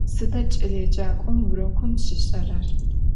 Sıda ç'eleêcak'om vurokım şiş'erer?